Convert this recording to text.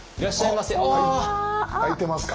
空いてますか？